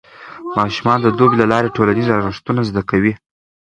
ماشومان د لوبو له لارې ټولنیز ارزښتونه زده کوي.